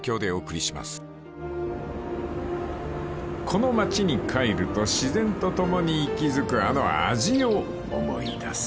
［この町に帰ると自然と共に息づくあの味を思い出す］